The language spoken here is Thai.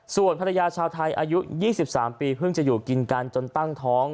ส่วนภรรยาชาวไทยอายุ๒๓ปีเพิ่งจะอยู่กินกันจนตั้งท้อง